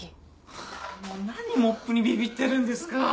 ハァもう何モップにビビってるんですか！